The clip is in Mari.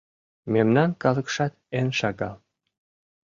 Мемнан калыкшат эн шагал...